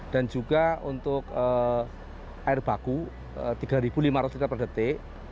dan juga untuk air baku tiga lima ratus liter per detik